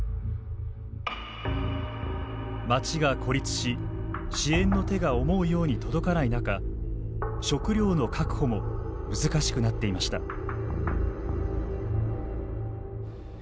街が孤立し支援の手が思うように届かない中食糧の確保も難しくなっていました。